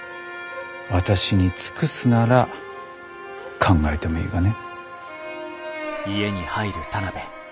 私に尽くすなら考えてもいいがね。